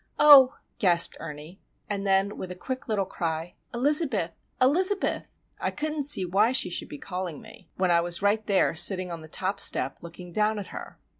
"Oh!" gasped Ernie. And then, with a quick little cry,—"Elizabeth! Elizabeth!" I couldn't see why she should be calling me, when I was right there sitting on the top step looking down at her.